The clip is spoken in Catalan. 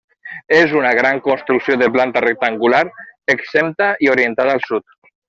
És una gran construcció de planta rectangular, exempta i orientada al Sud.